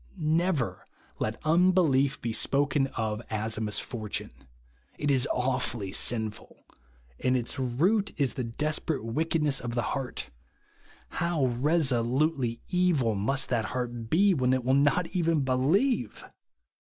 Never let unbelief be spoken of as a misfortune. It is awfully sinful ; and its root is the desperate wickedness of the heart. Hov/ resolutely evil must that heart be, when it will not even believe